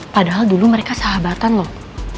padahal dulu mereka sahabatan loh